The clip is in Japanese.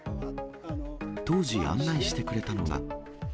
当時、案内してくれたのが。